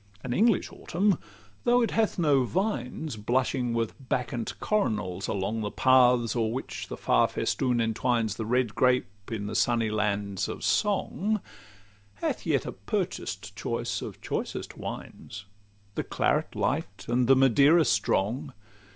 LXXVI An English autumn, though it hath no vines, Blushing with Bacchant coronals along The paths, o'er which the far festoon entwines The red grape in the sunny lands of song, Hath yet a purchased choice of choicest wines; The claret light, and the Madeira strong.